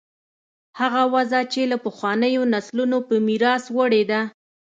هغه وضع چې له پخوانیو نسلونو په میراث وړې ده.